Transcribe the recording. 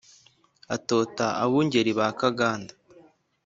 atota abungeri b' akaganda